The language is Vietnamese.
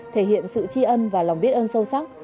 thể hiện sự chi ân và lòng biết ân sâu sắc